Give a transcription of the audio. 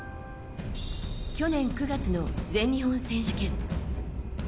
去年９月の全日本選手権。